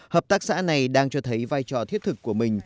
hợp tác xã này đang cho thấy vai trò thiết thực của mình